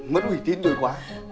mất uy tín tôi quá